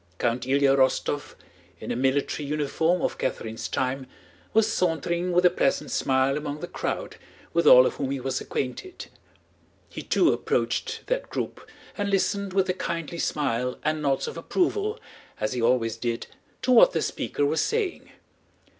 Count Ilyá Rostóv, in a military uniform of Catherine's time, was sauntering with a pleasant smile among the crowd, with all of whom he was acquainted. He too approached that group and listened with a kindly smile and nods of approval, as he always did, to what the speaker was saying.